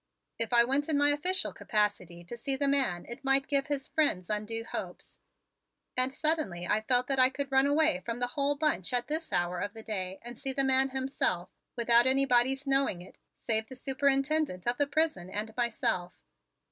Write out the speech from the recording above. If I went in my official capacity to see the man it might give his friends undue hopes; and suddenly I felt that I could run away from the whole bunch at this hour of the day and see the man himself without anybody's knowing it save the superintendent of the prison and myself.